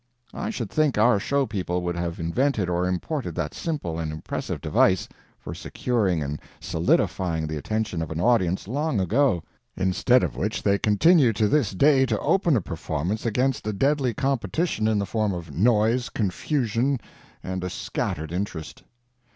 I should think our show people would have invented or imported that simple and impressive device for securing and solidifying the attention of an audience long ago; instead of which they continue to this day to open a performance against a deadly competition in the form of noise, confusion, and a scattered interest.